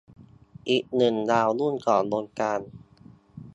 อีกหนึ่งดาวรุ่งของวงการ